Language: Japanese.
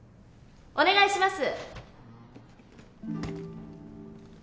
お願いします。